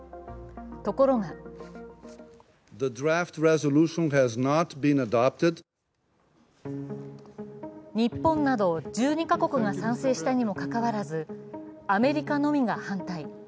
ところが日本など１２か国が賛成したにもかかわらず、アメリカのみが反対。